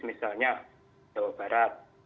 misalnya jawa barat